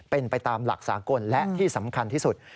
เป็นไปตามหลักสากลและที่สำคัญที่สุด